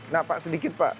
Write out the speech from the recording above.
nah pak sedikit pak